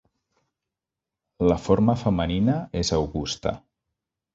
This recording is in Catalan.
La forma femenina és Augusta.